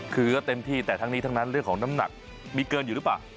คือก็เต็มที่แต่ทั้งนี้ทั้งนั้นเรื่องของน้ำหนักมีเกินอยู่หรือเปล่า